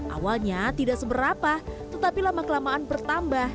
awalnya tidak seberapa tetapi lama kelamaan bertambah